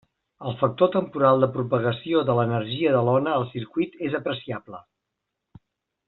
El factor temporal de propagació de l'energia de l'ona al circuit és apreciable.